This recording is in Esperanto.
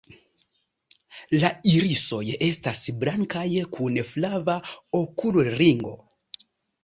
La irisoj estas blankaj kun flava okulringo.